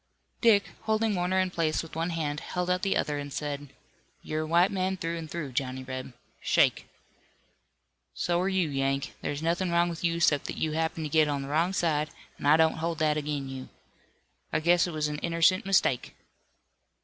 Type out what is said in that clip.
Dick, holding Warner in place with one hand, held out the other, and said: "You're a white man, through and through, Johnny Reb. Shake!" "So are you, Yank. There's nothin' wrong with you 'cept that you happened to get on the wrong side, an' I don't hold that ag'in you. I guess it was an innercent mistake."